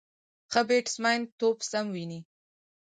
ښه بیټسمېن توپ سم ویني.